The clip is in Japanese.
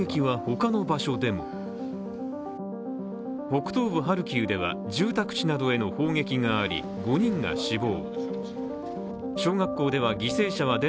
北東部ハルキウでは住宅地などへの砲撃があり５人が死亡。